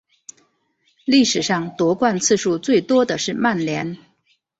历史上夺冠次数最多的是曼联。